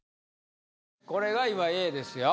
これが今Ａですよ